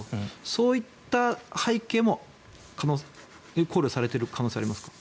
そういった背景も考慮されている可能性はありますか？